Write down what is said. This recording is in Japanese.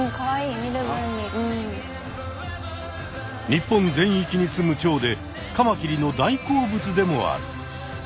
日本全域にすむチョウでカマキリの大好物でもある。